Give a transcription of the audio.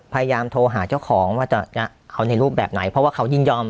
พยายามโทรหาเจ้าของว่าจะเอาในรูปแบบไหนเพราะว่าเขายินยอม